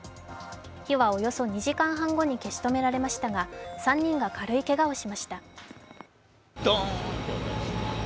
火はおよそ２時間半後に消し止められましたが、３人が軽いけがをしました。